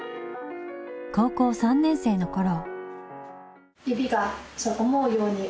高校３年生のころ。